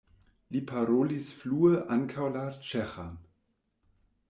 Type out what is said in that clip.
Li parolis flue ankaŭ la ĉeĥan.